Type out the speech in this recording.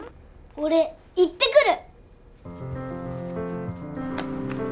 おれ行ってくる！